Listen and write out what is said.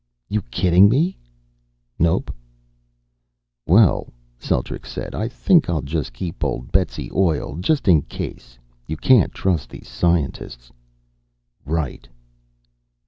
"You kidding me?" "Nope." "Well," Celtrics said, "I think I'll just keep old Betsy oiled, just in case. You can't trust these scientists." "Right."